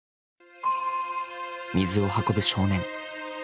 「水を運ぶ少年」。